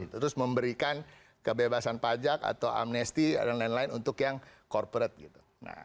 terus memberikan kebebasan pajak atau amnesti dan lain lain untuk yang corporate gitu